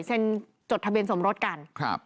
จดทะเบียนสมรสกัน